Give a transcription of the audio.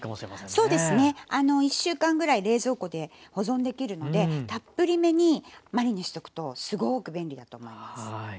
そうですね１週間ぐらい冷蔵庫で保存できるのでたっぷりめにマリネしとくとすごく便利だと思います。